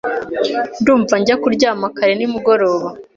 Ndumva njya kuryama kare nimugoroba.